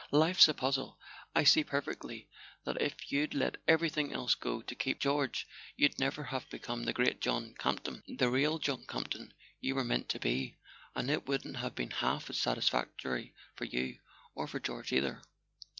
"Life's a puzzle. I see perfectly that if you'd let every¬ thing else go to keep George you'd never have become the great John Campton: the real John Campton you were meant to be. And it wouldn't have been half as satisfactory for you—or for George either.